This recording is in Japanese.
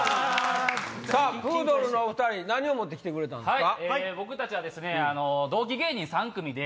プードルのお２人何を持って来てくれたんですか？